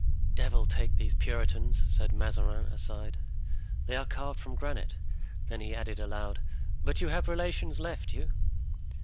"Devil take these Puritans," said Mazarin aside; "they are carved from granite." Then he added aloud, "But you have relations left you?"